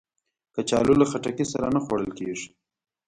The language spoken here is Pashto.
کچالو له خټکی سره نه خوړل کېږي